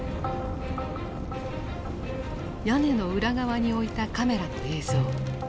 屋根の裏側に置いたカメラの映像。